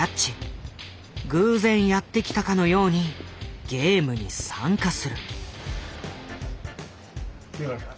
偶然やって来たかのようにゲームに参加する。